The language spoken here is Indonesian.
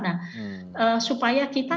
nah supaya kita